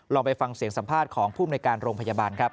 ไปฟังเสียงสัมภาษณ์ของผู้มนุยการโรงพยาบาลครับ